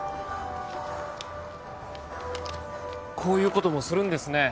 こういうこともするんですね